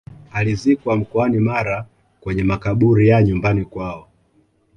alizikwa mkoani mara kwenye makaburi ya nyumbani kwao